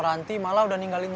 depet ama kesayangan